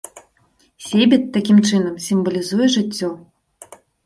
Сейбіт, такім чынам, сімвалізуе жыццё.